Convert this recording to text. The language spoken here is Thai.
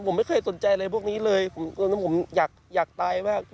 ผมไม่เคยสนใจอะไรพวกนี้เลยตอนนั้นผมอยากตายมาก